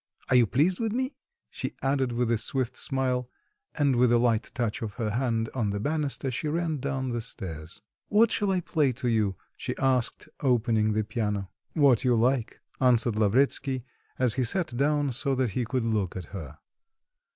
Are you pleased with me?" she added with a swift smile and with a light touch of her hand on the banister she ran down the stairs. "What shall I play to you?" she asked, opening the piano. "What you like," answered Lavretsky as he sat down so that he could look at her.